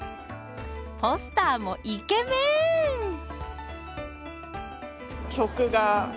ポスターもイケメン！